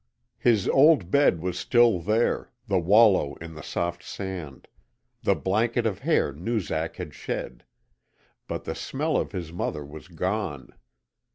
His old bed was still there, the wallow in the soft sand, the blanket of hair Noozak had shed; but the smell of his mother was gone.